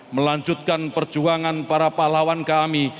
melanjutkan perjuangan para pahlawan kami